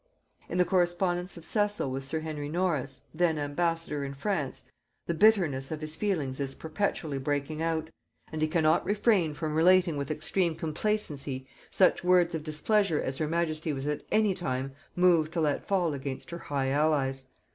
In the correspondence of Cecil with sir Henry Norris, then ambassador in France, the bitterness of his feelings is perpetually breaking out, and he cannot refrain from relating with extreme complacency such words of displeasure as her majesty was at any time moved to let fall against her high allies.